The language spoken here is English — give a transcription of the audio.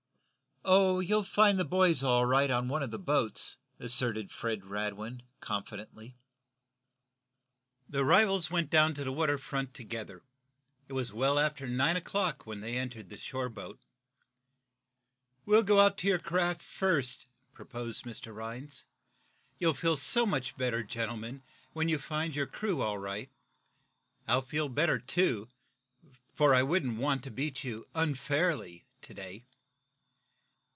"Oh, you'll find the boys all right on one of the boats," asserted Fred Radwin, confidently. The rivals went down to the water front together. It was well after nine o'clock when they entered a shore boat. "We'll go out to your craft, first," proposed Mr. Rhinds, "You'll feel so much better, gentlemen, when you find your crew all right. I'll feel better, too, for I wouldn't want to beat you unfairly to day."